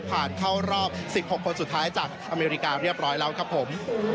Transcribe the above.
เข้ารอบ๑๖คนสุดท้ายจากอเมริกาเรียบร้อยแล้วครับผม